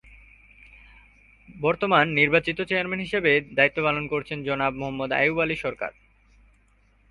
বর্তমান নির্বাচিত চেয়ারম্যান হিসেবে দায়িত্ব পালন করছেন জনাব মোহাম্মদ আইয়ুব আলী সরকার।